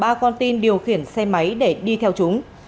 ba con tin điều khiển xe máy để đi theo chúng